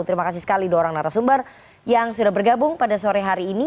terima kasih sekali dua orang narasumber yang sudah bergabung pada sore hari ini